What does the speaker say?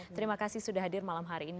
terima kasih sudah hadir malam hari ini